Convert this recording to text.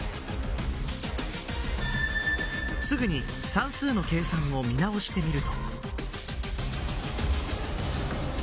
すぐに算数の計算を見直してみると。